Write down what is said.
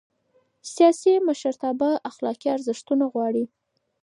سیاسي مشرتابه اخلاقي ارزښت غواړي